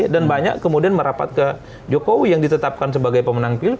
dan banyak kemudian merapat ke jokowi yang ditetapkan sebagai pemenang pil